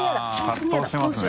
葛藤してますね。